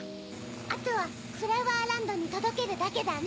あとはフラワーランドにとどけるだけだね。